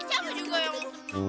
siapa juga yang mau